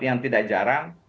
yang tidak jarang